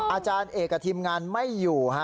อาจารย์เอกกับทีมงานไม่อยู่ฮะ